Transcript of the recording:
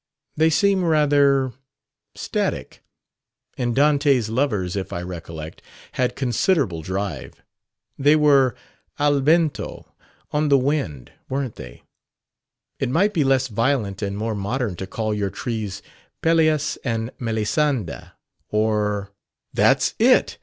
"They seem rather static; and Dante's lovers, if I recollect, had considerable drive. They were 'al vento' on the wind weren't they? It might be less violent and more modern to call your trees Pelleas and Melisande, or " "That's it.